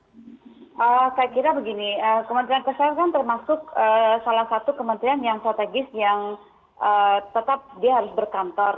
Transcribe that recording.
saya kira begini kementerian kesehatan termasuk salah satu kementerian yang strategis yang tetap dia harus berkantor